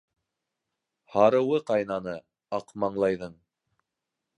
Һарыуы ҡайнаны Аҡмаңлайҙың.